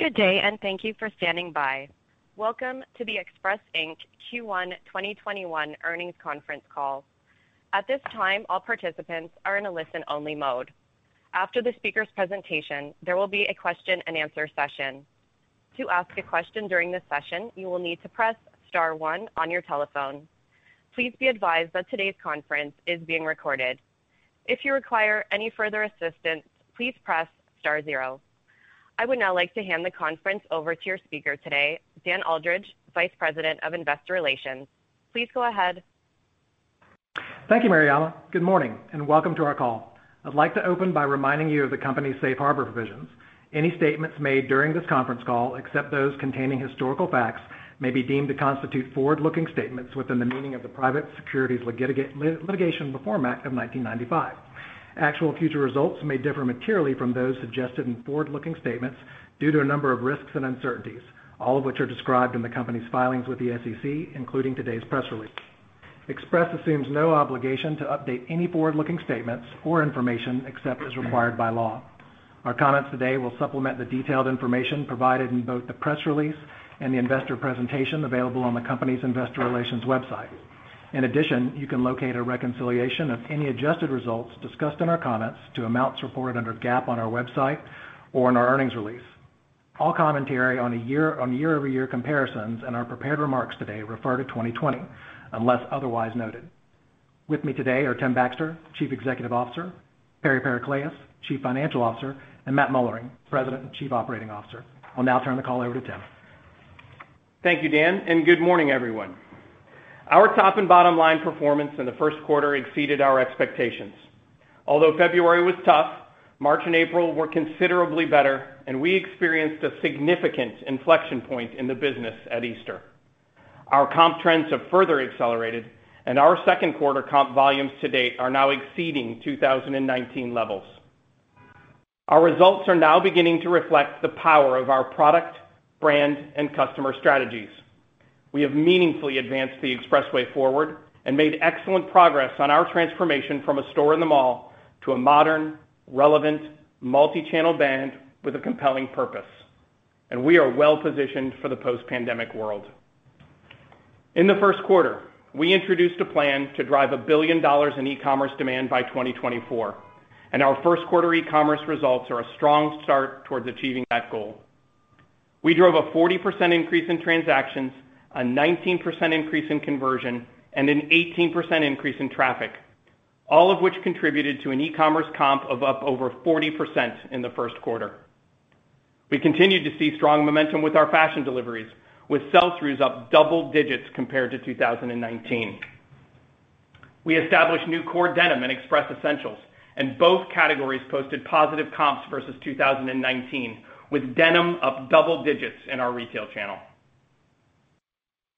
Good day, and thank you for standing by. Welcome to the Express, Inc. Q1 2021 earnings conference call. At this time, all participants are in a listen-only mode. After the speaker's presentation, there will be a question-and-answer session. To ask a question during this session, you will need to press star one on your telephone. Please be advised that today's conference is being recorded. If you require any further assistance, please press star zero. I would now like to hand the conference over to your speaker today, Dan Aldridge, Vice President of Investor Relations. Please go ahead. Thank you, Mariela. Good morning, and welcome to our call. I'd like to open by reminding you of the company's safe harbor provisions. Any statements made during this conference call, except those containing historical facts, may be deemed to constitute forward-looking statements within the meaning of the Private Securities Litigation Reform Act of 1995. Actual future results may differ materially from those suggested in forward-looking statements due to a number of risks and uncertainties, all of which are described in the company's filings with the SEC, including today's press release. Express assumes no obligation to update any forward-looking statements or information except as required by law. Our comments today will supplement the detailed information provided in both the press release and the investor presentation available on the company's investor relations website. In addition, you can locate a reconciliation of any adjusted results discussed in our comments to amounts reported under GAAP on our website or in our earnings release. All commentary on year-over-year comparisons and our prepared remarks today refer to 2020 unless otherwise noted. With me today are Tim Baxter, Chief Executive Officer, Perry Pericleous, Chief Financial Officer, and Matthew Moellering, President and Chief Operating Officer. I'll now turn the call over to Tim. Thank you, Dan. Good morning, everyone. Our top and bottom line performance in the first quarter exceeded our expectations. Although February was tough, March and April were considerably better, and we experienced a significant inflection point in the business at Easter. Our comp trends have further accelerated, and our second quarter comp volumes to date are now exceeding 2019 levels. Our results are now beginning to reflect the power of our product, brand, and customer strategies. We have meaningfully advanced the EXPRESSway Forward and made excellent progress on our transformation from a store in the mall to a modern, relevant, multi-channel brand with a compelling purpose. We are well-positioned for the post-pandemic world. In the first quarter, we introduced a plan to drive $1 billion in e-commerce demand by 2024, and our first quarter e-commerce results are a strong start toward achieving that goal. We drove a 40% increase in transactions, a 19% increase in conversion, and an 18% increase in traffic, all of which contributed to an e-commerce comp of up over 40% in the first quarter. We continued to see strong momentum with our fashion deliveries, with sell-throughs up double digits compared to 2019. We established new core denim and Express Essentials, and both categories posted positive comps versus 2019, with denim up double digits in our retail channel.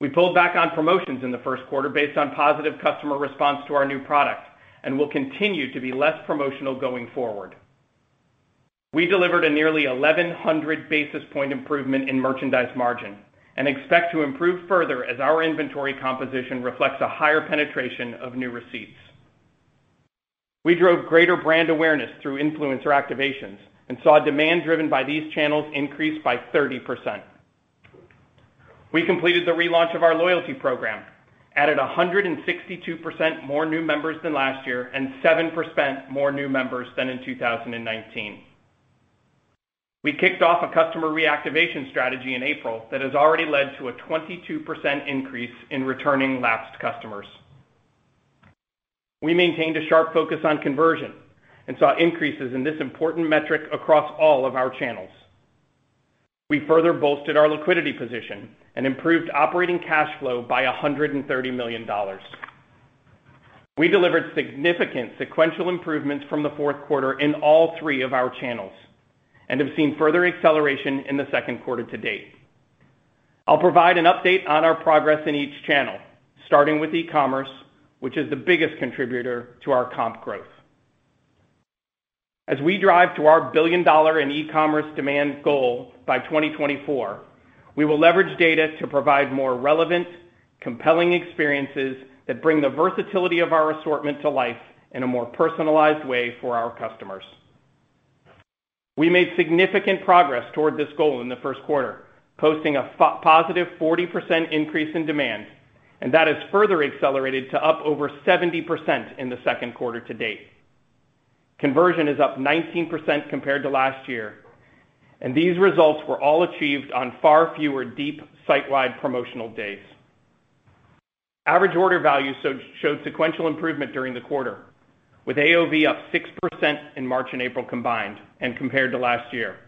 We pulled back on promotions in the first quarter based on positive customer response to our new products and will continue to be less promotional going forward. We delivered a nearly 1,100 basis point improvement in merchandise margin and expect to improve further as our inventory composition reflects a higher penetration of new receipts. We drove greater brand awareness through influencer activations and saw demand driven by these channels increase by 30%. We completed the relaunch of our loyalty program, added 162% more new members than last year and 7% more new members than in 2019. We kicked off a customer reactivation strategy in April that has already led to a 22% increase in returning lapsed customers. We maintained a sharp focus on conversion and saw increases in this important metric across all of our channels. We further bolstered our liquidity position and improved operating cash flow by $130 million. We delivered significant sequential improvements from the fourth quarter in all three of our channels and have seen further acceleration in the second quarter to date. I'll provide an update on our progress in each channel, starting with e-commerce, which is the biggest contributor to our comp growth. As we drive to our billion-dollar in e-commerce demand goal by 2024, we will leverage data to provide more relevant, compelling experiences that bring the versatility of our assortment to life in a more personalized way for our customers. We made significant progress toward this goal in the first quarter, posting a positive 40% increase in demand, that has further accelerated to up over 70% in the second quarter to date. Conversion is up 19% compared to last year, these results were all achieved on far fewer deep sitewide promotional days. Average order values showed sequential improvement during the quarter, with AOV up 6% in March and April combined and compared to last year.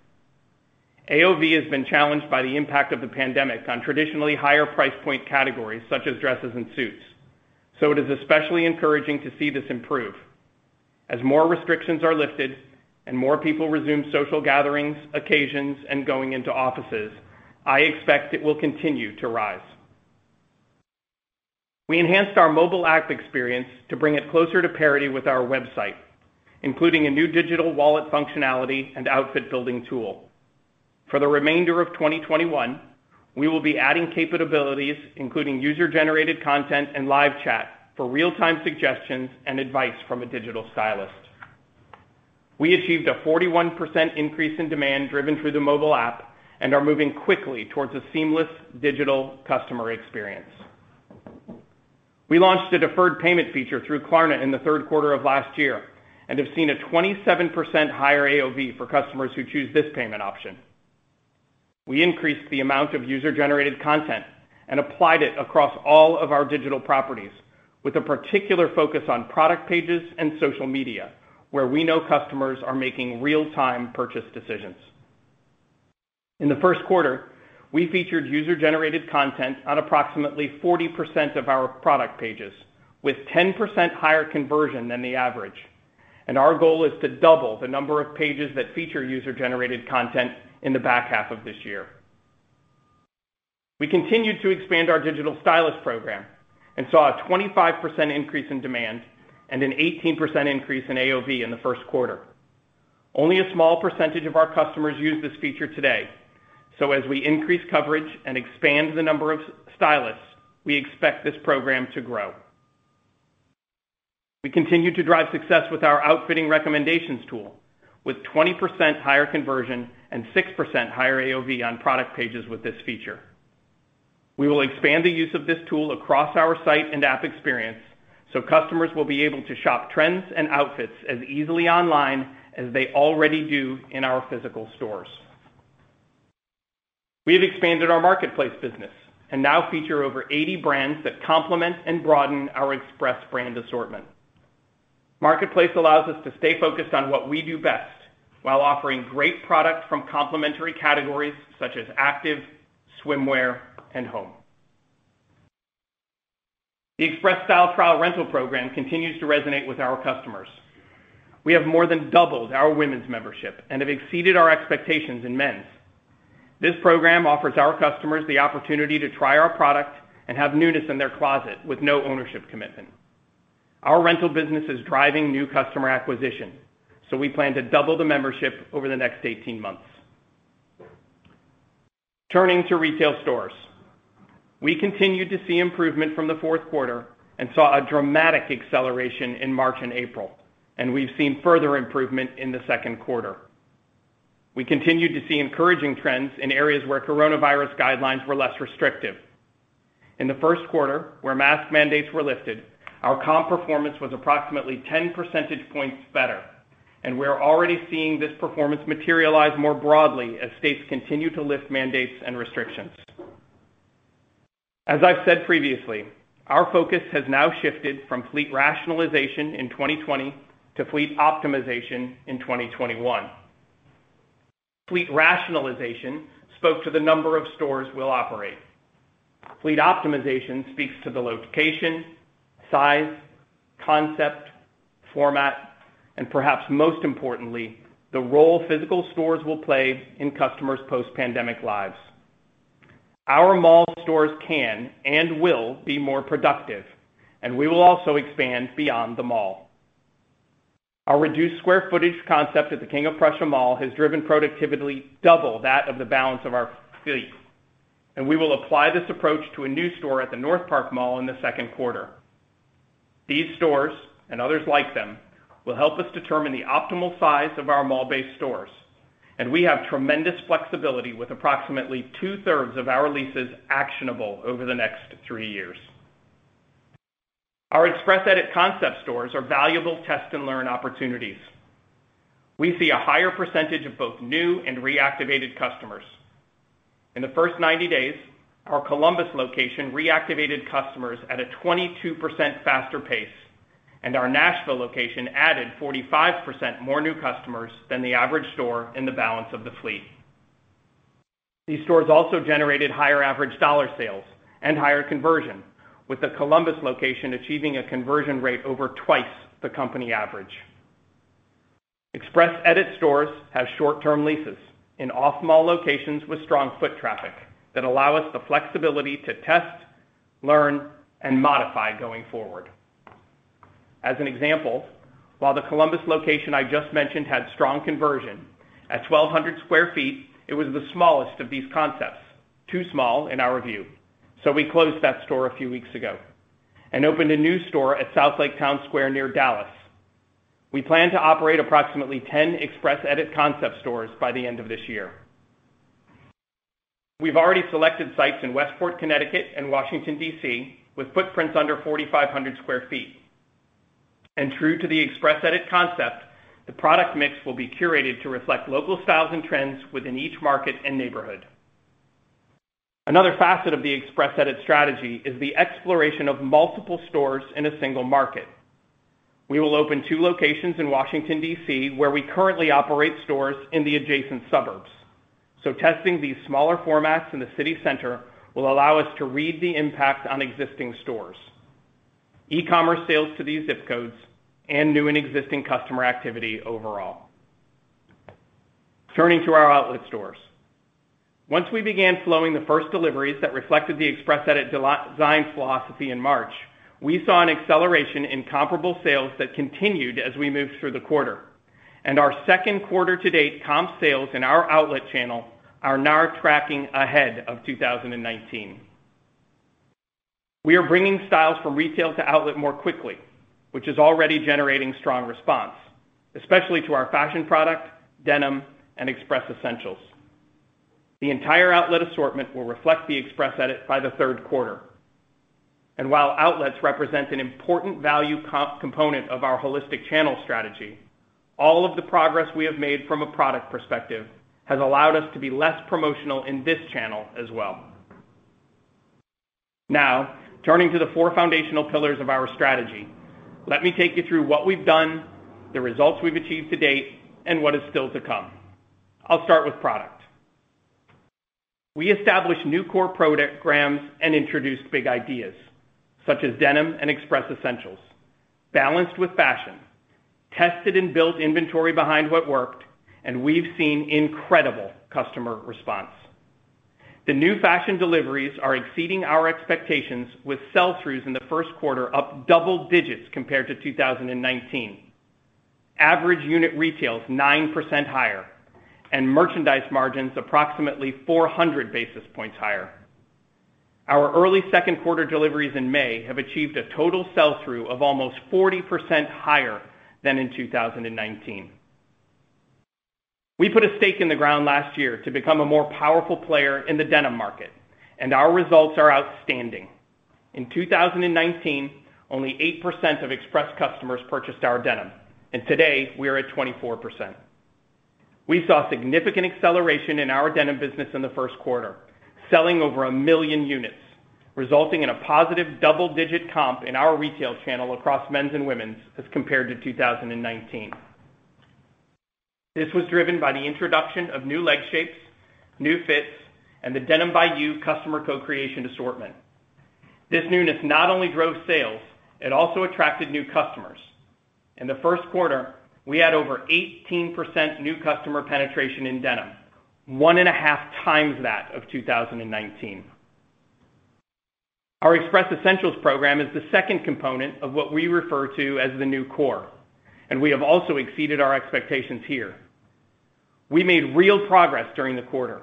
AOV has been challenged by the impact of the pandemic on traditionally higher price point categories such as dresses and suits, it is especially encouraging to see this improve. As more restrictions are lifted and more people resume social gatherings, occasions, and going into offices, I expect it will continue to rise. We enhanced our mobile app experience to bring it closer to parity with our website, including a new digital wallet functionality and outfit building tool. For the remainder of 2021, we will be adding capabilities, including user-generated content and live chat, for real-time suggestions and advice from a digital stylist. We achieved a 41% increase in demand driven through the mobile app and are moving quickly towards a seamless digital customer experience. We launched a deferred payment feature through Klarna in the third quarter of last year and have seen a 27% higher AOV for customers who choose this payment option. We increased the amount of user-generated content and applied it across all of our digital properties, with a particular focus on product pages and social media, where we know customers are making real-time purchase decisions. In the first quarter, we featured user-generated content on approximately 40% of our product pages, with 10% higher conversion than the average. Our goal is to double the number of pages that feature user-generated content in the back half of this year. We continued to expand our digital stylist program and saw a 25% increase in demand and an 18% increase in AOV in the first quarter. Only a small percentage of our customers use this feature today. As we increase coverage and expand the number of stylists, we expect this program to grow. We continue to drive success with our outfitting recommendations tool, with 20% higher conversion and 6% higher AOV on product pages with this feature. We will expand the use of this tool across our site and app experience so customers will be able to shop trends and outfits as easily online as they already do in our physical stores. We have expanded our marketplace business and now feature over 80 brands that complement and broaden our Express brand assortment. Marketplace allows us to stay focused on what we do best while offering great products from complementary categories such as active, swimwear, and home. The Express Style Trial rental program continues to resonate with our customers. We have more than doubled our women's membership and have exceeded our expectations in men's. This program offers our customers the opportunity to try our product and have newness in their closet with no ownership commitment. Our rental business is driving new customer acquisition, so we plan to double the membership over the next 18 months. Turning to retail stores. We continued to see improvement from the fourth quarter and saw a dramatic acceleration in March and April, and we've seen further improvement in the second quarter. We continued to see encouraging trends in areas where coronavirus guidelines were less restrictive. In the first quarter, where mask mandates were lifted, our comp performance was approximately 10 percentage points better, and we're already seeing this performance materialize more broadly as states continue to lift mandates and restrictions. As I've said previously, our focus has now shifted from fleet rationalization in 2020 to fleet optimization in 2021. Fleet rationalization spoke to the number of stores we'll operate. Fleet optimization speaks to the location, size, concept, format, and perhaps most importantly, the role physical stores will play in customers' post-pandemic lives. Our mall stores can and will be more productive, and we will also expand beyond the mall. Our reduced square footage concept at the King of Prussia Mall has driven productivity double that of the balance of our fleet, and we will apply this approach to a new store at the NorthPark Center in the second quarter. These stores, and others like them, will help us determine the optimal size of our mall-based stores, and we have tremendous flexibility with approximately two-thirds of our leases actionable over the next three years. Our Express Edit concept stores are valuable test-and-learn opportunities. We see a higher percentage of both new and reactivated customers. In the first 90 days, our Columbus location reactivated customers at a 22% faster pace, and our Nashville location added 45% more new customers than the average store in the balance of the fleet. These stores also generated higher average dollar sales and higher conversion, with the Columbus location achieving a conversion rate over twice the company average. Express Edit stores have short-term leases in off-mall locations with strong foot traffic that allow us the flexibility to test, learn, and modify going forward. As an example, while the Columbus location I just mentioned had strong conversion, at 1,200 sq ft, it was the smallest of these concepts, too small in our view. We closed that store a few weeks ago and opened a new store at Southlake Town Square near Dallas. We plan to operate approximately 10 Express Edit concept stores by the end of this year. We've already selected sites in Westport, Connecticut, and Washington, D.C., with footprints under 4,500 sq ft. True to the Express Edit concept, the product mix will be curated to reflect local styles and trends within each market and neighborhood. Another facet of the Express Edit strategy is the exploration of multiple stores in a single market. We will open two locations in Washington, D.C., where we currently operate stores in the adjacent suburbs. Testing these smaller formats in the city center will allow us to read the impact on existing stores, e-commerce sales to these zip codes, and new and existing customer activity overall. Turning to our outlet stores. Once we began flowing the first deliveries that reflected the Express Edit design philosophy in March, we saw an acceleration in comparable sales that continued as we moved through the quarter. Our second quarter to date comp sales in our outlet channel are now tracking ahead of 2019. We are bringing styles from retail to outlet more quickly, which is already generating strong response, especially to our fashion product, denim, and Express Essentials. The entire outlet assortment will reflect the Express Edit by the third quarter. While outlets represent an important value comp component of our holistic channel strategy, all of the progress we have made from a product perspective has allowed us to be less promotional in this channel as well. Now, turning to the four foundational pillars of our strategy, let me take you through what we've done, the results we've achieved to date, and what is still to come. I'll start with product. We established new core product programs and introduced big ideas, such as denim and Express Essentials, balanced with fashion, tested and built inventory behind what worked, and we've seen incredible customer response. The new fashion deliveries are exceeding our expectations with sell-throughs in the first quarter up double digits compared to 2019. Average unit retail is 9% higher, and merchandise margin is approximately 400 basis points higher. Our early second quarter deliveries in May have achieved a total sell-through of almost 40% higher than in 2019. We put a stake in the ground last year to become a more powerful player in the denim market, and our results are outstanding. In 2019, only 8% of Express customers purchased our denim. Today, we are at 24%. We saw significant acceleration in our denim business in the first quarter, selling over 1 million units, resulting in a positive double-digit comp in our retail channel across men's and women's as compared to 2019. This was driven by the introduction of new leg shapes, new fits, and the Denim by You customer co-creation assortment. This newness not only drove sales, it also attracted new customers. In the first quarter, we had over 18% new customer penetration in denim, 1.5x that of 2019. Our Express Essentials program is the second component of what we refer to as the new core. We have also exceeded our expectations here. We made real progress during the quarter,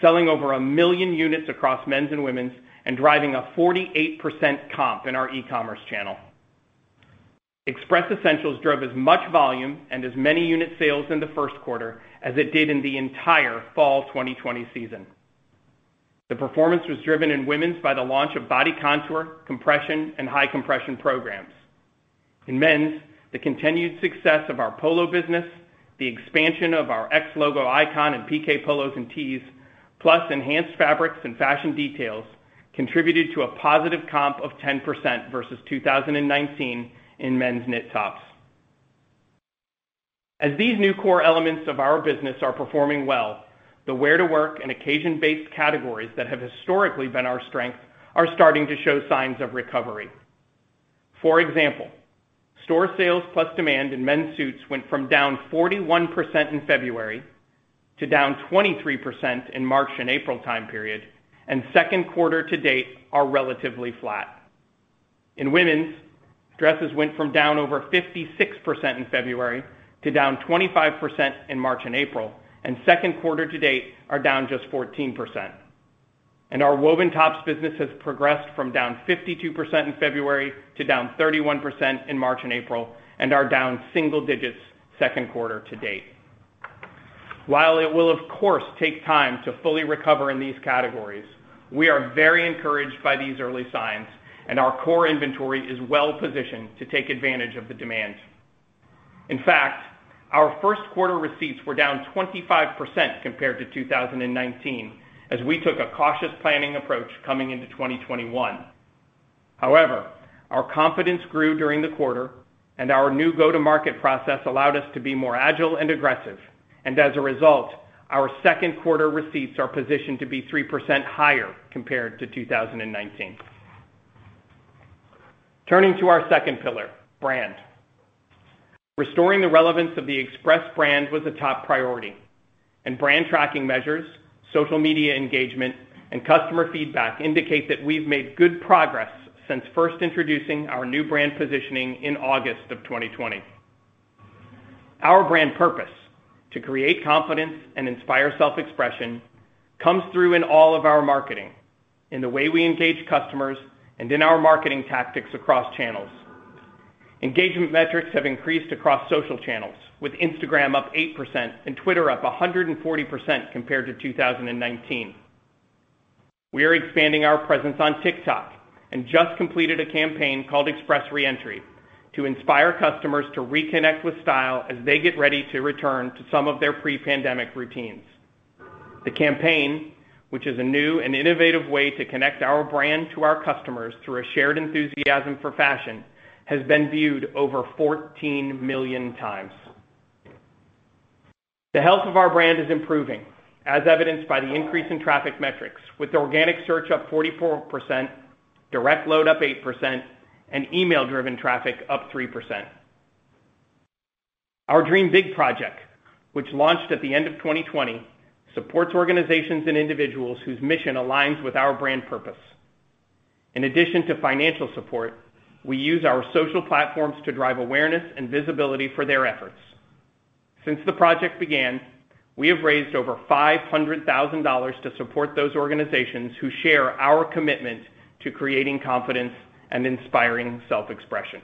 selling over 1 million units across men's and women's and driving a 48% comp in our e-commerce channel. Express Essentials drove as much volume and as many unit sales in the first quarter as it did in the entire fall 2020 season. The performance was driven in women's by the launch of Body Contour, compression, and high compression programs. In men's, the continued success of our polo business, the expansion of our X logo icon and piqué polos and tees, plus enhanced fabrics and fashion details, contributed to a positive comp of 10% versus 2019 in men's knit tops. As these new core elements of our business are performing well, the wear-to-work and occasion-based categories that have historically been our strength are starting to show signs of recovery. For example, store sales plus demand in men's suits went from down 41% in February to down 23% in March and April time period, and second quarter to date are relatively flat. In women's, dresses went from down over 56% in February to down 25% in March and April, and second quarter to date are down just 14%. Our woven tops business has progressed from down 52% in February to down 31% in March and April, and are down single digits second quarter to date. While it will of course take time to fully recover in these categories, we are very encouraged by these early signs, and our core inventory is well-positioned to take advantage of the demand. In fact, our first quarter receipts were down 25% compared to 2019, as we took a cautious planning approach coming into 2021. However, our confidence grew during the quarter, and our new go-to-market process allowed us to be more agile and aggressive. As a result, our second quarter receipts are positioned to be 3% higher compared to 2019. Turning to our second pillar, brand. Restoring the relevance of the Express brand was a top priority. Brand tracking measures, social media engagement, and customer feedback indicate that we've made good progress since first introducing our new brand positioning in August of 2020. Our brand purpose, to create confidence and inspire self-expression, comes through in all of our marketing, in the way we engage customers, and in our marketing tactics across channels. Engagement metrics have increased across social channels, with Instagram up 8% and Twitter up 140% compared to 2019. We are expanding our presence on TikTok and just completed a campaign called Express Reentry to inspire customers to reconnect with style as they get ready to return to some of their pre-pandemic routines. The campaign, which is a new and innovative way to connect our brand to our customers through a shared enthusiasm for fashion, has been viewed over 14 million times. The health of our brand is improving, as evidenced by the increase in traffic metrics, with organic search up 44%, direct load up 8%, and email-driven traffic up 3%. Our Dream Big Project, which launched at the end of 2020, supports organizations and individuals whose mission aligns with our brand purpose. In addition to financial support, we use our social platforms to drive awareness and visibility for their efforts. Since the project began, we have raised over $500,000 to support those organizations who share our commitment to creating confidence and inspiring self-expression.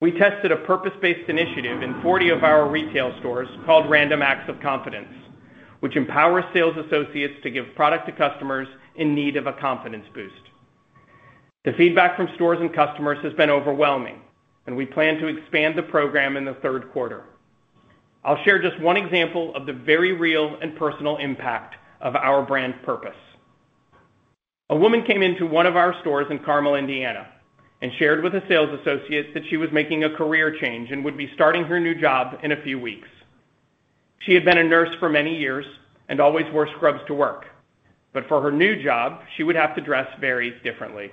We tested a purpose-based initiative in 40 of our retail stores called Random Acts of Confidence, which empowers sales associates to give product to customers in need of a confidence boost. The feedback from stores and customers has been overwhelming, and we plan to expand the program in the third quarter. I'll share just one example of the very real and personal impact of our brand's purpose. A woman came into one of our stores in Carmel, Indiana, and shared with a sales associate that she was making a career change and would be starting her new job in a few weeks. She had been a nurse for many years and always wore scrubs to work. For her new job, she would have to dress very differently.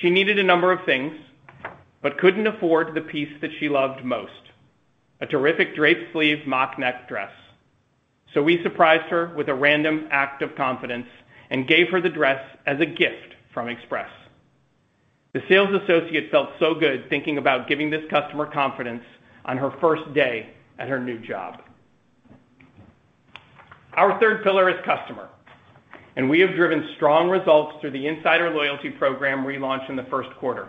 She needed a number of things, but couldn't afford the piece that she loved most, a terrific draped sleeve mock neck dress. We surprised her with a Random Acts of Confidence and gave her the dress as a gift from Express. The sales associate felt so good thinking about giving this customer confidence on her first day at her new job. Our third pillar is customer, and we have driven strong results through the Express Insider loyalty program we launched in the first quarter,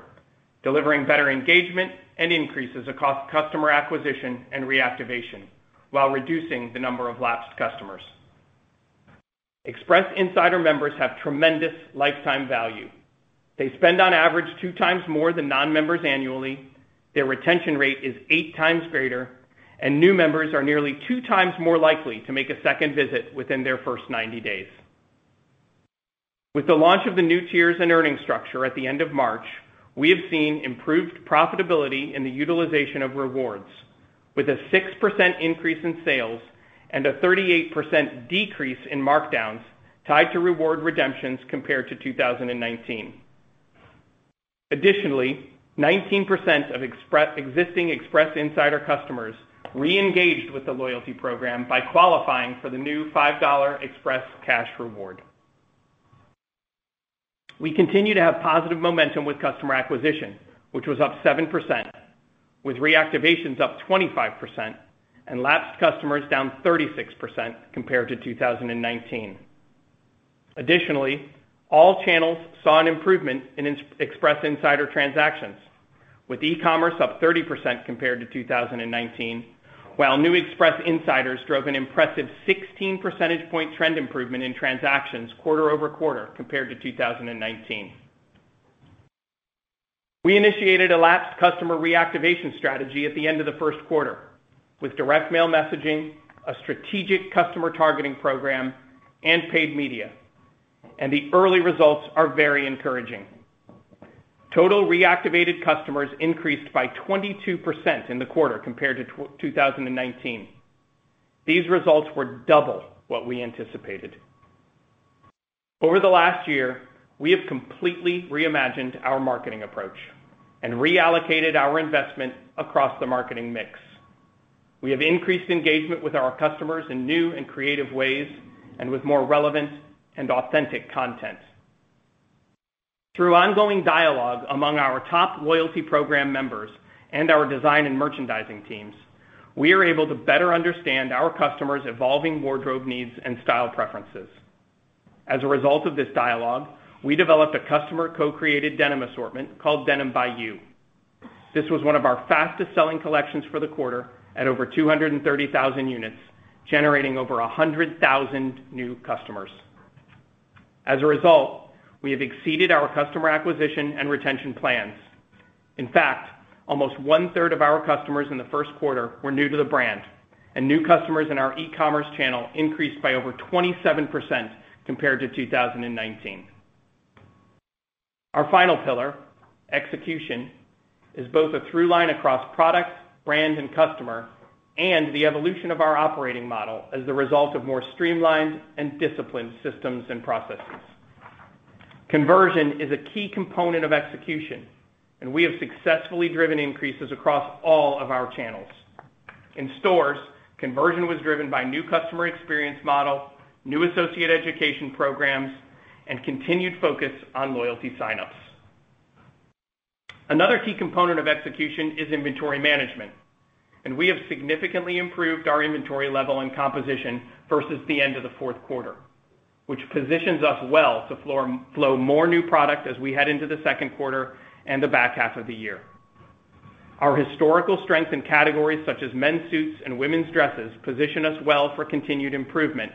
delivering better engagement and increases across customer acquisition and reactivation, while reducing the number of lapsed customers. Express Insider members have tremendous lifetime value. They spend on average 2x more than non-members annually, their retention rate is 8x greater, and new members are nearly 2x more likely to make a second visit within their first 90 days. With the launch of the new tiers and earning structure at the end of March, we have seen improved profitability in the utilization of rewards, with a 6% increase in sales and a 38% decrease in markdowns tied to reward redemptions compared to 2019. Additionally, 19% of existing Express Insider customers re-engaged with the loyalty program by qualifying for the new $5 Express Cash reward. We continue to have positive momentum with customer acquisition, which was up 7%, with reactivations up 25% and lapsed customers down 36% compared to 2019. Additionally, all channels saw an improvement in Express Insider transactions, with e-commerce up 30% compared to 2019, while new Express Insiders drove an impressive 16 percentage point trend improvement in transactions quarter-over-quarter compared to 2019. We initiated a lapsed customer reactivation strategy at the end of the first quarter with direct mail messaging, a strategic customer targeting program, and paid media, and the early results are very encouraging. Total reactivated customers increased by 22% in the quarter compared to 2019. These results were double what we anticipated. Over the last year, we have completely reimagined our marketing approach and reallocated our investment across the marketing mix. We have increased engagement with our customers in new and creative ways and with more relevant and authentic content. Through ongoing dialogue among our top loyalty program members and our design and merchandising teams, we are able to better understand our customers' evolving wardrobe needs and style preferences. As a result of this dialogue, we developed a customer co-created denim assortment called Denim by You. This was one of our fastest-selling collections for the quarter at over 230,000 units, generating over 100,000 new customers. As a result, we have exceeded our customer acquisition and retention plans. In fact, almost 1/3 of our customers in the first quarter were new to the brand, and new customers in our e-commerce channel increased by over 27% compared to 2019. Our final pillar, execution, is both a through line across product, brand, and customer, and the evolution of our operating model as a result of more streamlined and disciplined systems and processes. Conversion is a key component of execution, and we have successfully driven increases across all of our channels. In stores, conversion was driven by new customer experience models, new associate education programs, and continued focus on loyalty sign-ups. Another key component of execution is inventory management, and we have significantly improved our inventory level and composition versus the end of the fourth quarter, which positions us well to flow more new product as we head into the second quarter and the back half of the year. Our historical strength in categories such as men's suits and women's dresses position us well for continued improvement,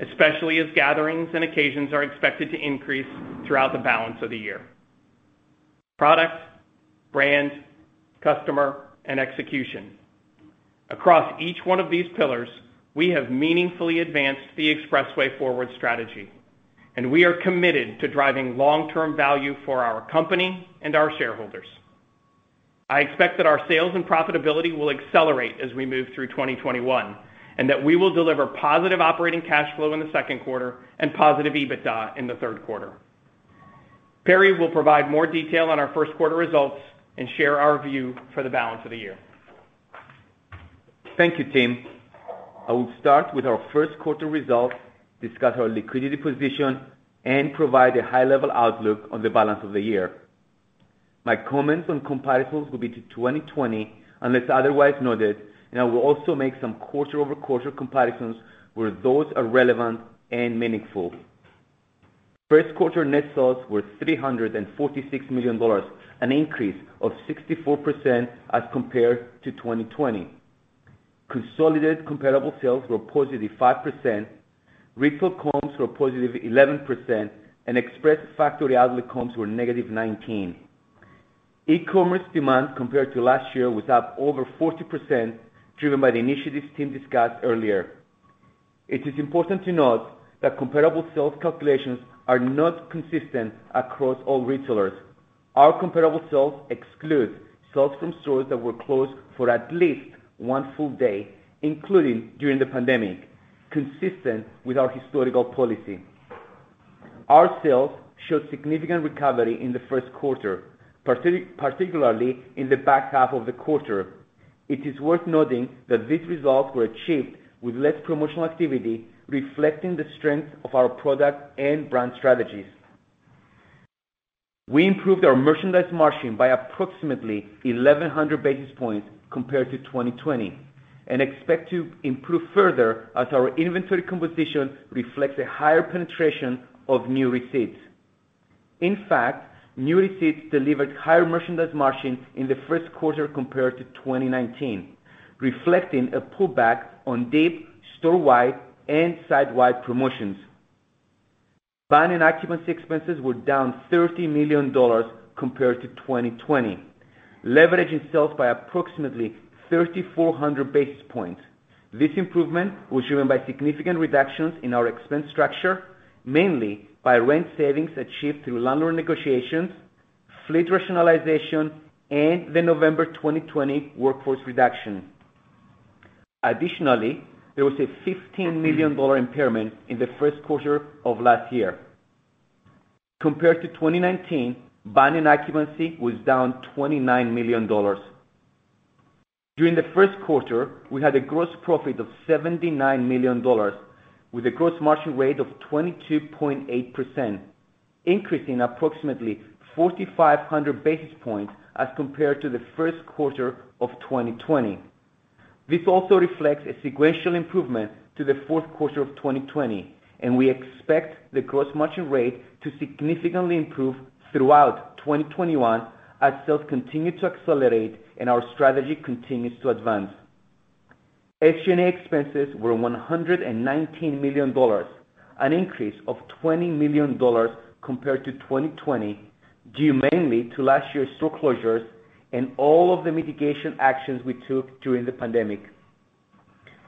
especially as gatherings and occasions are expected to increase throughout the balance of the year. Product, brand, customer, and execution. Across each one of these pillars, we have meaningfully advanced the EXPRESSway Forward strategy, and we are committed to driving long-term value for our company and our shareholders. I expect that our sales and profitability will accelerate as we move through 2021, and that we will deliver positive operating cash flow in the second quarter and positive EBITDA in the third quarter. Perry will provide more detail on our first quarter results and share our view for the balance of the year. Thank you, Tim. I will start with our first quarter results, discuss our liquidity position, and provide a high-level outlook on the balance of the year. My comments on comparables will be to 2020, unless otherwise noted. I will also make some quarter-over-quarter comparisons where those are relevant and meaningful. First quarter net sales were $346 million, an increase of 64% as compared to 2020. Consolidated comparable sales were positive 5%, retail comps were positive 11%, and Express Factory Outlet comps were -19%. E-commerce demand compared to last year was up over 40%, driven by the initiatives Tim discussed earlier. It is important to note that comparable sales calculations are not consistent across all retailers. Our comparable sales exclude sales from stores that were closed for at least one full day, including during the pandemic, consistent with our historical policy. Our sales showed significant recovery in the first quarter, particularly in the back half of the quarter. It is worth noting that these results were achieved with less promotional activity, reflecting the strength of our product and brand strategies. We improved our merchandise margin by approximately 1,100 basis points compared to 2020 and expect to improve further as our inventory composition reflects a higher penetration of new receipts. In fact, new receipts delivered higher merchandise margins in the first quarter compared to 2019, reflecting a pullback on deep storewide and sitewide promotions. Buying and occupancy expenses were down $30 million compared to 2020. Leverage itself by approximately 3,400 basis points. This improvement was driven by significant reductions in our expense structure, mainly by rent savings achieved through landlord negotiations, fleet rationalization, and the November 2020 workforce reduction. Additionally, there was a $15 million impairment in the first quarter of last year. Compared to 2019, buying and occupancy was down $29 million. During the first quarter, we had a gross profit of $79 million with a gross margin rate of 22.8%, increasing approximately 4,500 basis points as compared to the first quarter of 2020. This also reflects a sequential improvement to the fourth quarter of 2020, and we expect the gross margin rate to significantly improve throughout 2021 as sales continue to accelerate and our strategy continues to advance. SG&A expenses were $119 million, an increase of $20 million compared to 2020, due mainly to last year's store closures and all of the mitigation actions we took during the pandemic.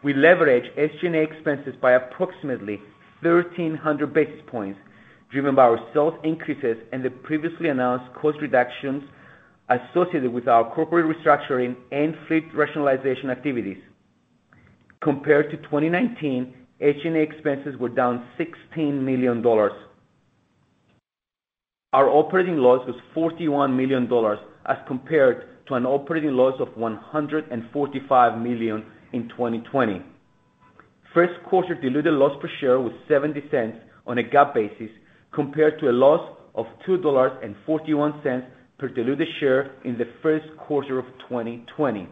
We leveraged SG&A expenses by approximately 1,300 basis points driven by our sales increases and the previously announced cost reductions associated with our corporate restructuring and fleet rationalization activities. Compared to 2019, SG&A expenses were down $16 million. Our operating loss was $41 million as compared to an operating loss of $145 million in 2020. First quarter diluted loss per share was $0.70 on a GAAP basis compared to a loss of $2.41 per diluted share in the first quarter of 2020.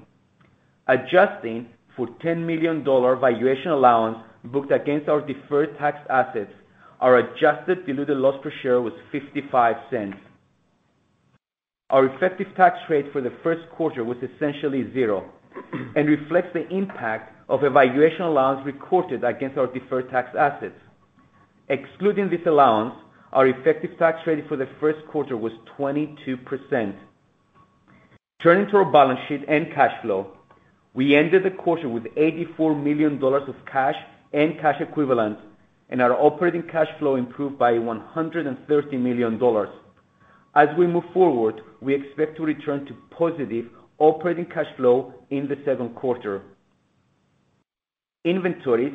Adjusting for a $10 million valuation allowance booked against our deferred tax assets, our adjusted diluted loss per share was $0.55. Our effective tax rate for the first quarter was essentially zero and reflects the impact of a valuation allowance recorded against our deferred tax assets. Excluding this allowance, our effective tax rate for the first quarter was 22%. Turning to our balance sheet and cash flow, we ended the quarter with $84 million of cash and cash equivalents, and our operating cash flow improved by $130 million. As we move forward, we expect to return to positive operating cash flow in the second quarter. Inventories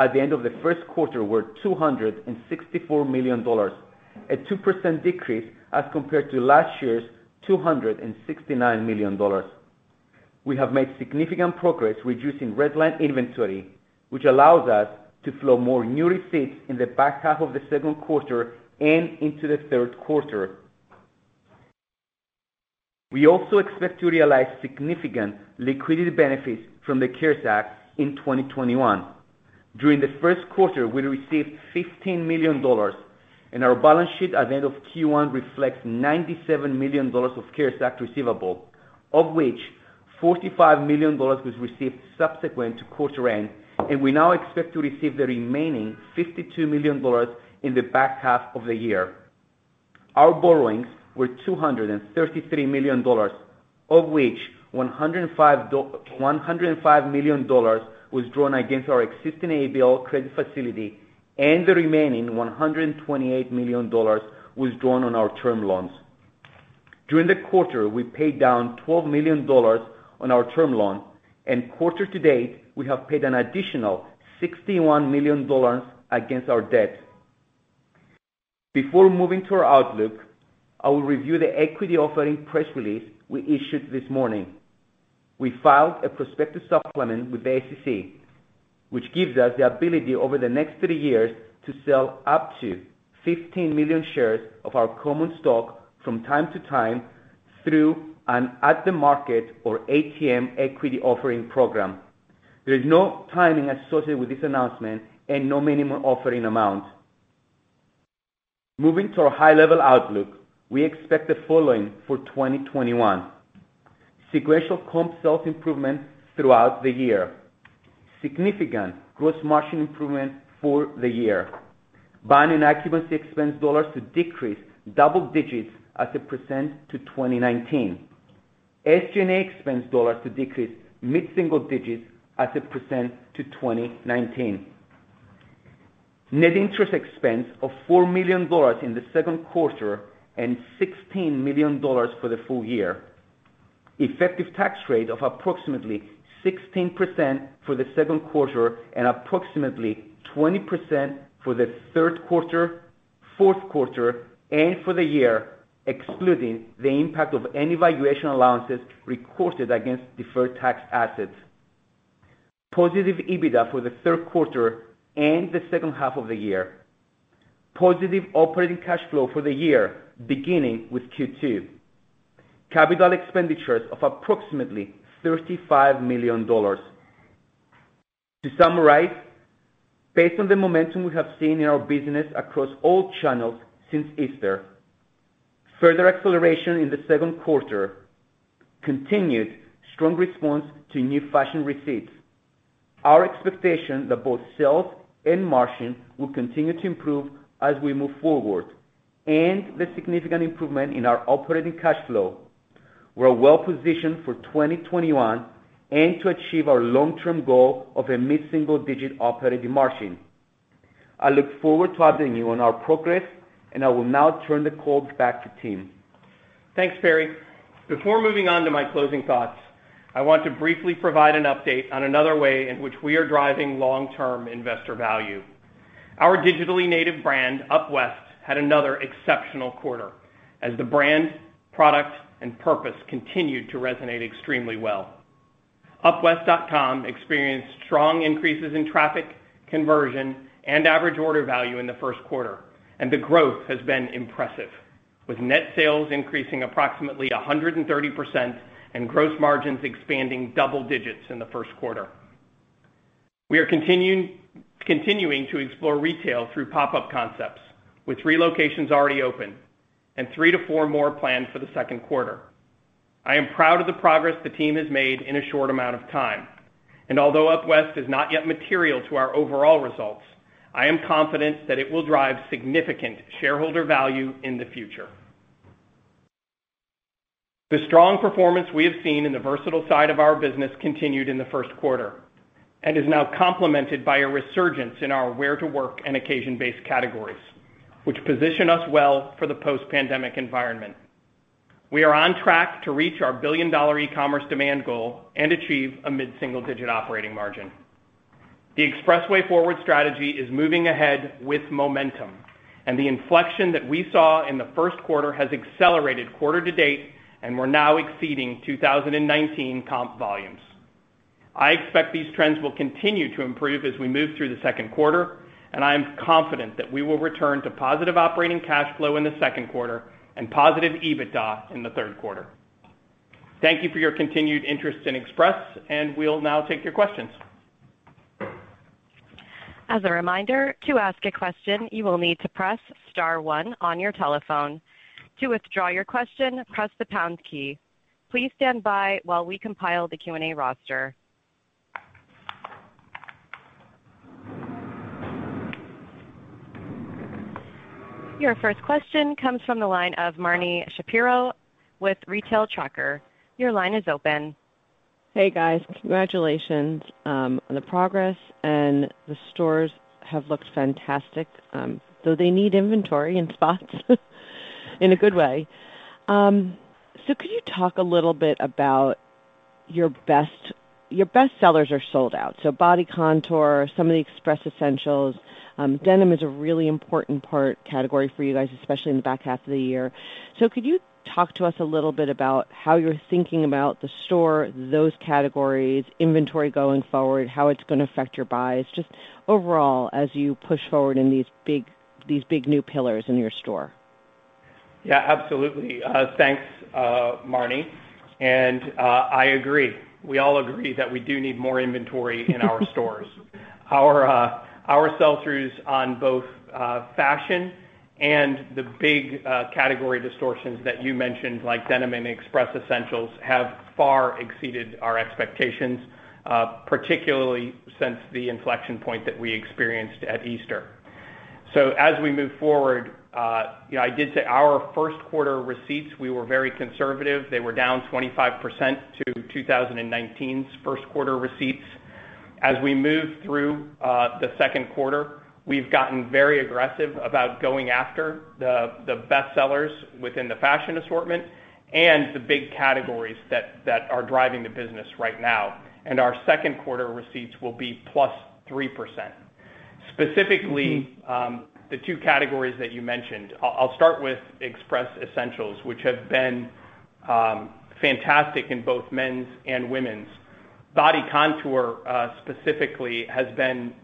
at the end of the first quarter were $264 million, a 2% decrease as compared to last year's $269 million. We have made significant progress reducing redline inventory, which allows us to flow more new receipts in the back half of the second quarter and into the third quarter. We also expect to realize significant liquidity benefits from the CARES Act in 2021. During the first quarter, we received $15 million, and our balance sheet at the end of Q1 reflects $97 million of CARES Act receivables, of which $45 million was received subsequent to quarter end, and we now expect to receive the remaining $52 million in the back half of the year. Our borrowings were $233 million, of which $105 million was drawn against our existing ABL credit facility, and the remaining $128 million was drawn on our term loans. During the quarter, we paid down $12 million on our term loans, and quarter to date, we have paid an additional $61 million against our debt. Before moving to our outlook, I will review the equity offering press release we issued this morning. We filed a prospectus supplement with the SEC, which gives us the ability over the next 30 years to sell up to 15 million shares of our common stock from time to time through an at-the-market, or ATM, equity offering program. There is no timing associated with this announcement and no minimum offering amount. Moving to our high-level outlook, we expect the following for 2021. Sequential comp sales improvement throughout the year. Significant gross margin improvement for the year. Buying and occupancy expense dollars to decrease double digits as a % to 2019. SG&A expense dollars to decrease mid-single digits as a % to 2019. Net interest expense of $4 million in the second quarter and $16 million for the full year. Effective tax rate of approximately 16% for the second quarter and approximately 20% for the third quarter, fourth quarter, and for the year, excluding the impact of any valuation allowances recorded against deferred tax assets. Positive EBITDA for the third quarter and the second half of the year. Positive operating cash flow for the year, beginning with Q2. Capital expenditures of approximately $35 million. To summarize, based on the momentum we have seen in our business across all channels since Easter, further acceleration in the second quarter continued strong response to new fashion receipts. Our expectation that both sales and margin will continue to improve as we move forward, and the significant improvement in our operating cash flow, we're well positioned for 2021 and to achieve our long-term goal of a mid-single-digit operating margin. I look forward to updating you on our progress, and I will now turn the call back to Tim. Thanks, Perry. Before moving on to my closing thoughts, I want to briefly provide an update on another way in which we are driving long-term investor value. Our digitally native brand, UpWest, had another exceptional quarter, as the brand, product, and purpose continued to resonate extremely well. upwest.com experienced strong increases in traffic, conversion, and average order value in the first quarter. The growth has been impressive, with net sales increasing approximately 130% and gross margins expanding double digits in the first quarter. We are continuing to explore retail through pop-up concepts with three locations already open and three to four more planned for the second quarter. I am proud of the progress the team has made in a short amount of time. Although UpWest is not yet material to our overall results, I am confident that it will drive significant shareholder value in the future. The strong performance we have seen in the versatile side of our business continued in the first quarter and is now complemented by a resurgence in our wear-to-work and occasion-based categories, which position us well for the post-pandemic environment. We are on track to reach our billion-dollar e-commerce demand goal and achieve a mid-single-digit operating margin. The EXPRESSway Forward strategy is moving ahead with momentum, and the inflection that we saw in the first quarter has accelerated quarter to date, and we're now exceeding 2019 comp volumes. I expect these trends will continue to improve as we move through the second quarter, and I am confident that we will return to positive operating cash flow in the second quarter and positive EBITDA in the third quarter. Thank you for your continued interest in Express, and we'll now take your questions. As a reminder, to ask a question, you will need to press star one on your telephone. To withdraw your question, press the pound key. Please stand by while we compile the Q&A roster. Your first question comes from the line of Marni Shapiro with Retail Tracker. Your line is open. Hey, guys. Congratulations on the progress, and the stores have looked fantastic. Though they need inventory in spots in a good way. Could you talk a little bit about your best sellers are sold out, Body Contour, some of the Express Essentials. Denim is a really important category for you guys, especially in the back half of the year. Could you talk to us a little bit about how you're thinking about the store, those categories, inventory going forward, how it's going to affect your buys, just overall as you push forward in these big new pillars in your store? Yeah, absolutely. Thanks, Marni. I agree. We all agree that we do need more inventory in our stores. Our sell-throughs on both fashion and the big category distortions that you mentioned, like denim and Express Essentials, have far exceeded our expectations, particularly since the inflection point that we experienced at Easter. As we move forward, our first quarter receipts, we were very conservative. They were down 25% to 2019's first quarter receipts. As we move through the second quarter, we've gotten very aggressive about going after the best sellers within the fashion assortment and the big categories that are driving the business right now. Our second quarter receipts will be +3%. Specifically, the two categories that you mentioned. I'll start with Express Essentials, which have been fantastic in both men's and women's. Body Contour specifically has been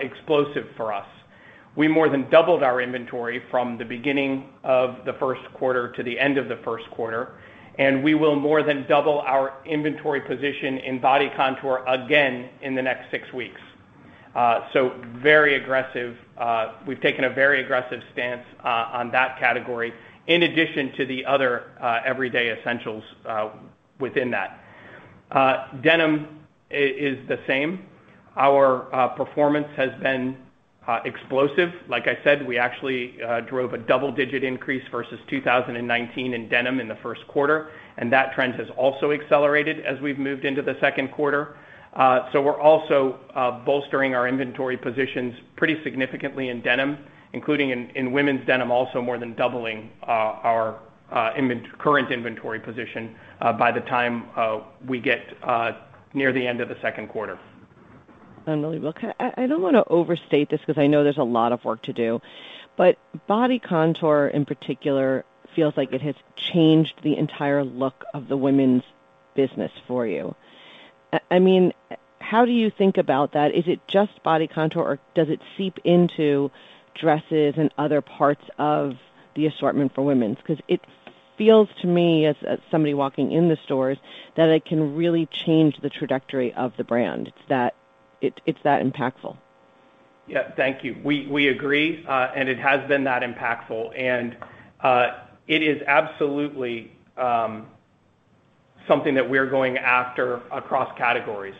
explosive for us. We more than doubled our inventory from the beginning of the first quarter to the end of the first quarter, we will more than double our inventory position in Body Contour again in the next six weeks. We've taken a very aggressive stance on that category in addition to the other everyday essentials within that. Denim is the same. Our performance has been explosive. Like I said, we actually drove a double-digit increase versus 2019 in denim in the first quarter, that trend has also accelerated as we've moved into the second quarter. We're also bolstering our inventory positions pretty significantly in denim, including in women's denim, also more than doubling our current inventory position by the time we get near the end of the second quarter. Unbelievable. I don't want to overstate this because I know there's a lot of work to do, but Body Contour in particular feels like it has changed the entire look of the women's business for you. How do you think about that? Is it just Body Contour, or does it seep into dresses and other parts of the assortment for women's? Because it feels to me, as somebody walking in the stores, that it can really change the trajectory of the brand. It's that impactful. Yeah. Thank you. We agree, and it has been that impactful. It is absolutely something that we're going after across categories.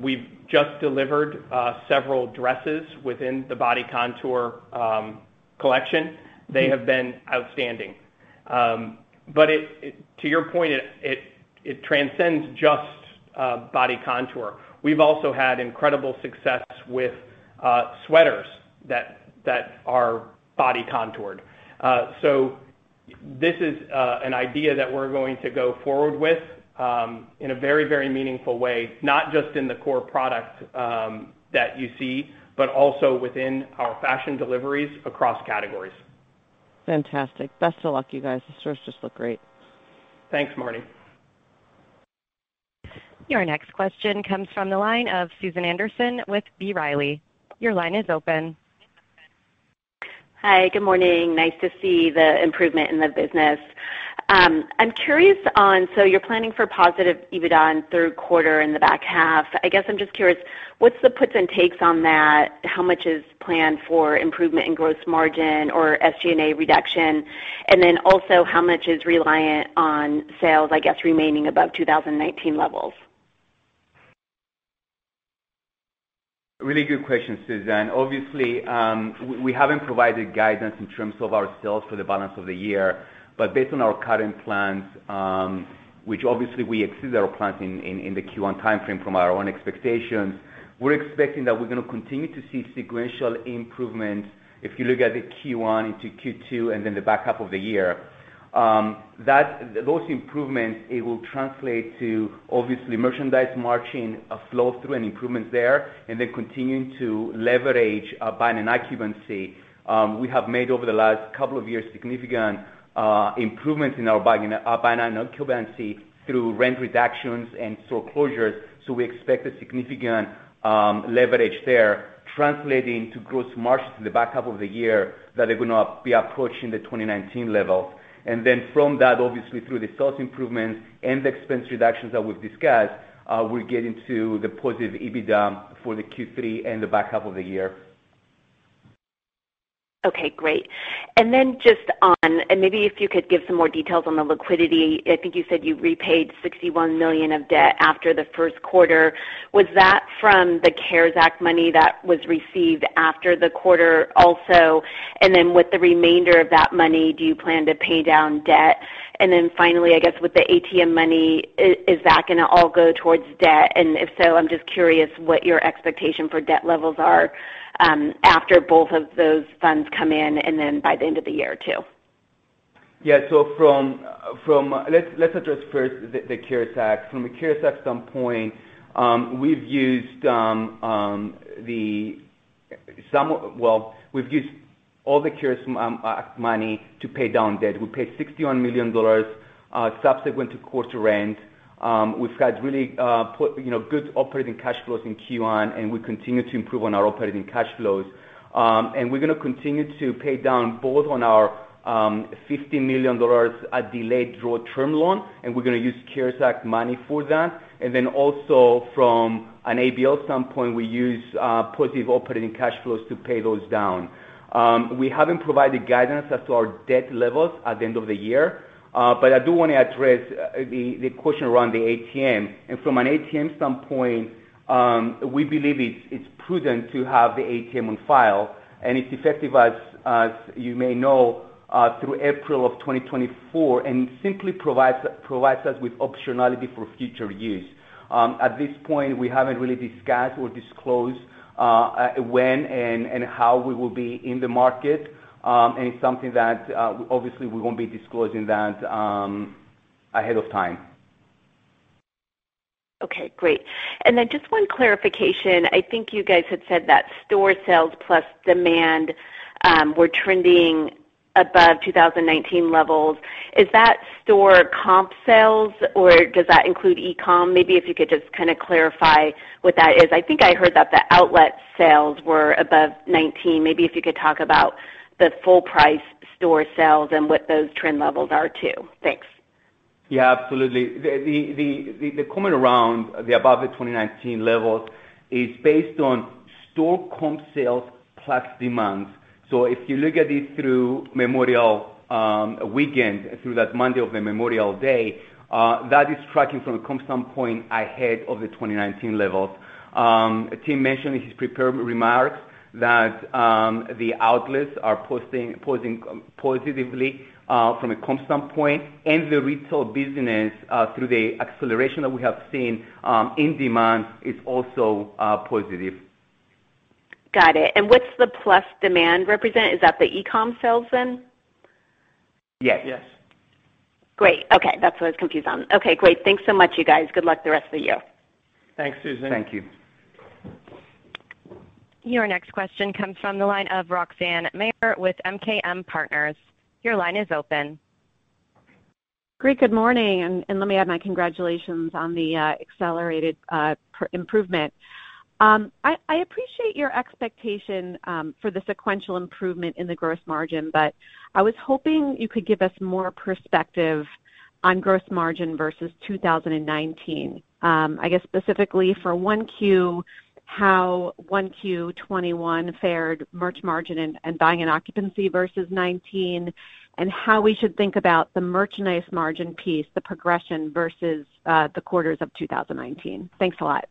We've just delivered several dresses within the Body Contour collection. They have been outstanding. To your point, it transcends just Body Contour. We've also had incredible success with sweaters that are body contoured. This is an idea that we're going to go forward with in a very meaningful way, not just in the core product that you see, but also within our fashion deliveries across categories. Fantastic. Best of luck, you guys. The stores just look great. Thanks, Marni. Your next question comes from the line of Susan Anderson with B. Riley. Your line is open. Hi. Good morning. Nice to see the improvement in the business. I'm curious on, you're planning for positive EBITDA in the third quarter, in the back half. I guess I'm just curious, what's the puts and takes on that? How much is planned for improvement in gross margin or SG&A reduction? How much is reliant on sales, I guess, remaining above 2019 levels? Really good question, Susan. Obviously, we haven't provided guidance in terms of our sales for the balance of the year. Based on our current plans, which obviously we exceed our plans in the Q1 timeframe from our own expectations, we're expecting that we're going to continue to see sequential improvement, if you look at the Q1 into Q2, and then the back half of the year. Those improvements, it will translate to obviously merchandise margin flow through and improvements there, and then continuing to leverage buying and occupancy. We have made, over the last couple of years, significant improvements in our buying and occupancy through rent reductions and store closures. We expect a significant leverage there translating to gross margins in the back half of the year that are going to be approaching the 2019 level. From that, obviously through the cost improvements and the expense reductions that we've discussed, we're getting to the positive EBITDA for the Q3 and the back half of the year. Okay, great. Just on, maybe if you could give some more details on the liquidity. I think you said you repaid $61 million of debt after the first quarter. Was that from the CARES Act money that was received after the quarter also? With the remainder of that money, do you plan to pay down debt? Finally, I guess with the ATM money, is that going to all go towards debt? If so, I'm just curious what your expectation for debt levels are after both of those funds come in and then by the end of the year, too. Yeah. Let's address first the CARES Act. From a CARES Act standpoint, we've used all the CARES Act money to pay down debt. We paid $61 million subsequent to quarter end. We've had really good operating cash flows in Q1, and we continue to improve on our operating cash flows. We're going to continue to pay down both on our $50 million delayed draw term loan, and we're going to use CARES Act money for that. Also from an ABL standpoint, we use positive operating cash flows to pay those down. We haven't provided guidance as to our debt levels at the end of the year, but I do want to address the question around the ATM. From an ATM standpoint, we believe it's prudent to have the ATM on file, and it's effective, as you may know, through April of 2024, and it simply provides us with optionality for future use. At this point, we haven't really discussed or disclosed when and how we will be in the market. It's something that obviously we won't be disclosing that ahead of time. Okay, great. Just one clarification. I think you guys had said that store sales plus demand were trending above 2019 levels. Is that store comp sales or does that include e-com? Maybe if you could just clarify what that is. I think I heard that the outlet sales were above 2019. Maybe if you could talk about the full price store sales and what those trend levels are too. Thanks. Yeah, absolutely. The comment around the above the 2019 levels is based on store comp sales plus demand. If you look at it through Memorial weekend, through that Monday of the Memorial Day, that is tracking from a constant point ahead of the 2019 levels. Tim mentioned in his prepared remarks that the outlets are posting positively from a constant point, and the retail business through the acceleration that we have seen in demand is also positive. Got it. What's the plus demand represent? Is that the e-com sales then? Yes. Great. Okay. That's what I was thinking. Okay, great. Thanks so much, you guys. Good luck the rest of the year. Thanks, Susan. Thank you. Your next question comes from the line of Roxanne Meyer with MKM Partners. Your line is open. Great. Good morning. Let me add my congratulations on the accelerated improvement. I appreciate your expectation for the sequential improvement in the gross margin. I was hoping you could give us more perspective on gross margin versus 2019. I guess specifically for how 1Q 2021 fared merch margin and buying and occupancy versus 2019, and how we should think about the merchandise margin piece, the progression versus the quarters of 2019. Thanks a lot.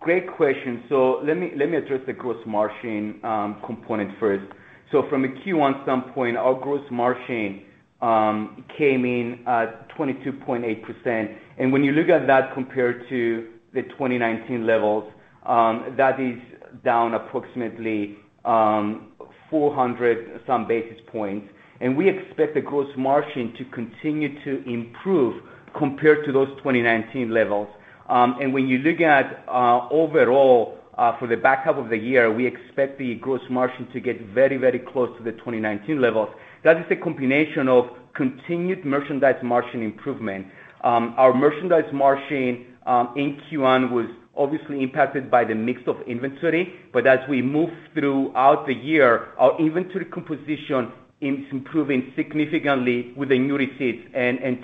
Great question. Let me address the gross margin component first. From a Q1 standpoint, our gross margin came in at 22.8%, and when you look at that compared to the 2019 levels, that is down approximately 400-some basis points, and we expect the gross margin to continue to improve compared to those 2019 levels. When you're looking at overall for the back half of the year, we expect the gross margin to get very close to the 2019 levels. That is the combination of continued merchandise margin improvement. Our merchandise margin in Q1 was obviously impacted by the mix of inventory, but as we move throughout the year, our inventory composition is improving significantly with the new receipts.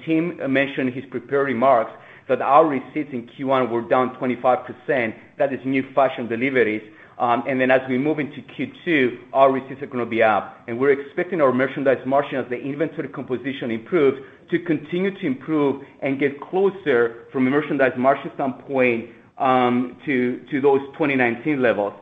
Tim mentioned in his prepared remarks that our receipts in Q1 were down 25%. That is new fashion deliveries. As we move into Q2, our receipts are going to be up. We're expecting our merchandise margin as the inventory composition improves to continue to improve and get closer from a merchandise margin standpoint to those 2019 levels.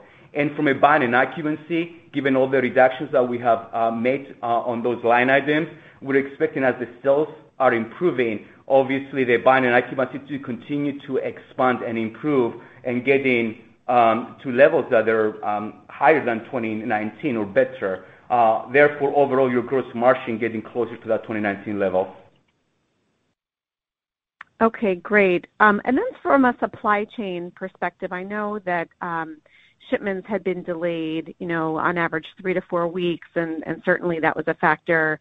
From a buying and occupancy, given all the reductions that we have made on those line items, we're expecting as the sales are improving, obviously the buying and occupancy to continue to expand and improve and get in to levels that are higher than 2019 or better. Therefore, overall, your gross margin getting closer to that 2019 level. Okay, great. From a supply chain perspective, I know that shipments had been delayed on average three to four weeks, and certainly that was a factor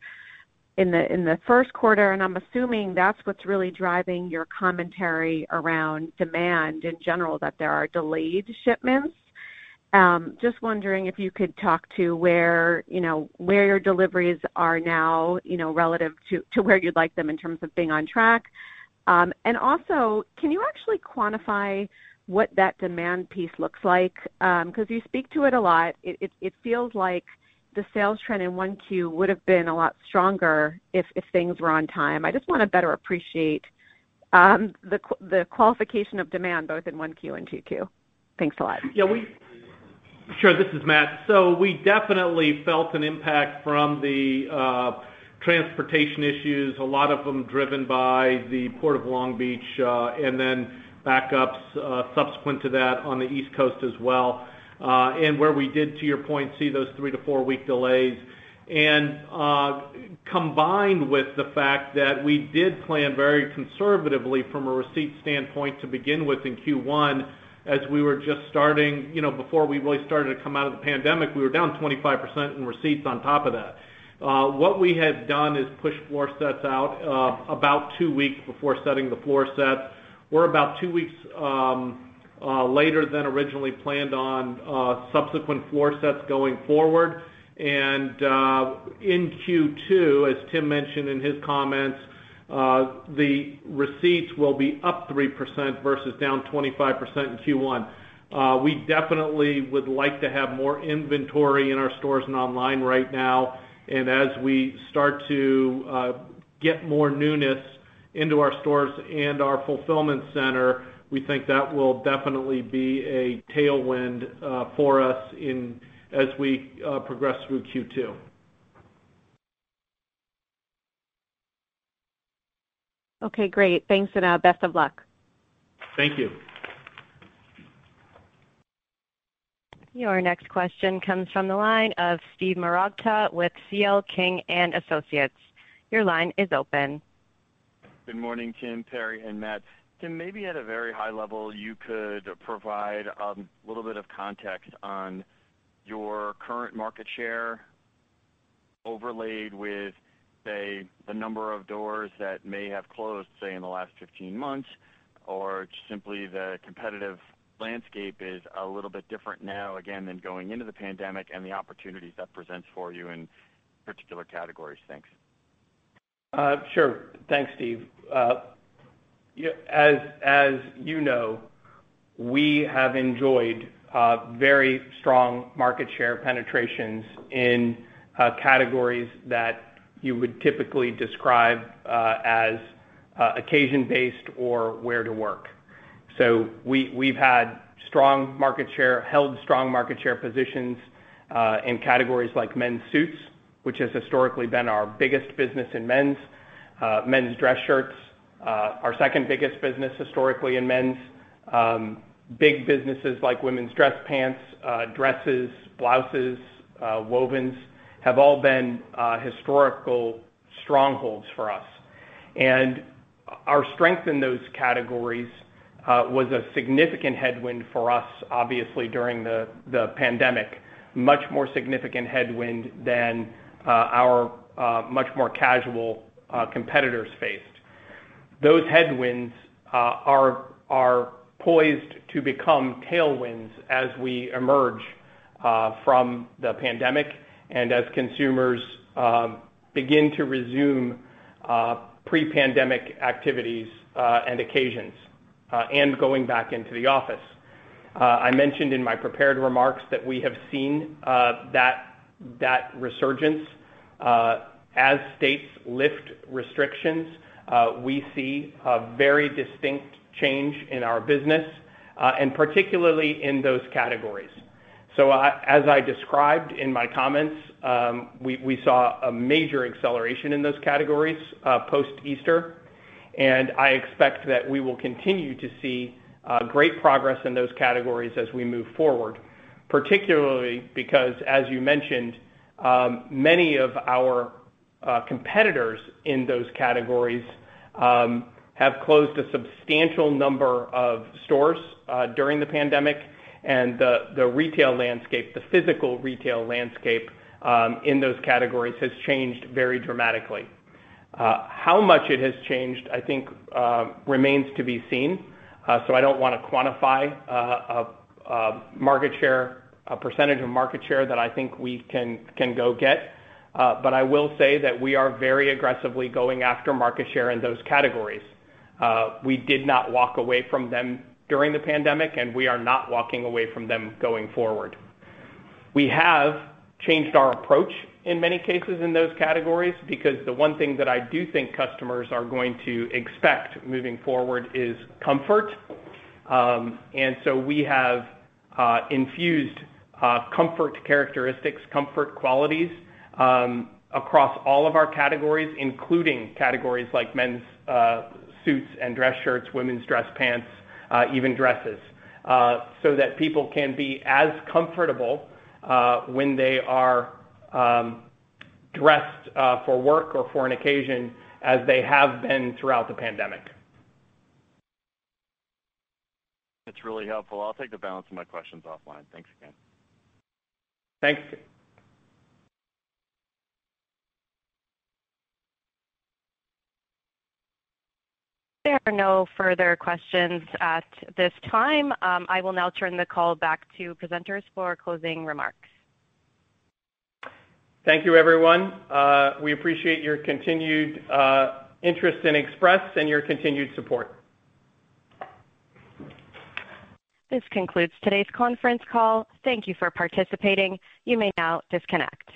in the first quarter, and I'm assuming that's what's really driving your commentary around demand in general, that there are delayed shipments. Just wondering if you could talk to where your deliveries are now relative to where you'd like them in terms of being on track. Can you actually quantify what that demand piece looks like? You speak to it a lot. It feels like the sales trend in 1Q would've been a lot stronger if things were on time. I just want to better appreciate the qualification of demand both in 1Q and 2Q. Thanks a lot. Sure. This is Matt. We definitely felt an impact from the transportation issues, a lot of them driven by the Port of Long Beach, and then backups subsequent to that on the East Coast as well, and where we did, to your point, see those three to four week delays. Combined with the fact that we did plan very conservatively from a receipt standpoint to begin with in Q1, as we were just before we really started to come out of the pandemic, we were down 25% in receipts on top of that. What we had done is push floor sets out about two weeks before setting the floor set. We're about two weeks later than originally planned on subsequent floor sets going forward. In Q2, as Tim mentioned in his comments, the receipts will be up 3% versus down 25% in Q1. We definitely would like to have more inventory in our stores and online right now, and as we start to get more newness into our stores and our fulfillment center, we think that will definitely be a tailwind for us as we progress through Q2. Okay, great. Thanks, and best of luck. Thank you. Your next question comes from the line of Steve Marotta with C.L. King & Associates. Your line is open. Good morning, Tim, Perry, and Matt. Tim, maybe at a very high level, you could provide a little bit of context on your current market share overlaid with, say, the number of doors that may have closed, say, in the last 15 months, or simply the competitive landscape is a little bit different now again than going into the pandemic and the opportunities that presents for you in particular categories. Thanks. Sure. Thanks, Steve. As you know, we have enjoyed very strong market share penetrations in categories that you would typically describe as occasion-based or wear-to-work. We've held strong market share positions in categories like men's suits, which has historically been our biggest business in men's. Men's dress shirts, our second-biggest business historically in men's. Big businesses like women's dress pants, dresses, blouses, wovens have all been historical strongholds for us. Our strength in those categories was a significant headwind for us, obviously, during the pandemic, much more significant headwind than our much more casual competitors faced. Those headwinds are poised to become tailwinds as we emerge from the pandemic and as consumers begin to resume pre-pandemic activities and occasions, and going back into the office. I mentioned in my prepared remarks that we have seen that resurgence. As states lift restrictions, we see a very distinct change in our business, particularly in those categories. As I described in my comments, we saw a major acceleration in those categories post-Easter. I expect that we will continue to see great progress in those categories as we move forward, particularly because, as you mentioned, many of our competitors in those categories have closed a substantial number of stores during the pandemic. The retail landscape, the physical retail landscape in those categories has changed very dramatically. How much it has changed, I think, remains to be seen. I don't want to quantify a percentage of market share that I think we can go get. I will say that we are very aggressively going after market share in those categories. We did not walk away from them during the pandemic, and we are not walking away from them going forward. We have changed our approach in many cases in those categories, because the one thing that I do think customers are going to expect moving forward is comfort. We have infused comfort characteristics, comfort qualities, across all of our categories, including categories like men's suits and dress shirts, women's dress pants, even dresses, so that people can be as comfortable when they are dressed for work or for an occasion as they have been throughout the pandemic. That's really helpful. I'll take the balance of my questions offline. Thanks again. Thanks, Steve. There are no further questions at this time. I will now turn the call back to presenters for closing remarks. Thank you, everyone. We appreciate your continued interest in Express and your continued support. This concludes today's conference call. Thank you for participating. You may now disconnect.